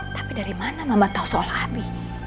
tapi dari mana mama tau soal abi